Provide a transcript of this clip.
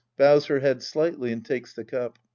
{Bmvs her head slightly and takes the cup.)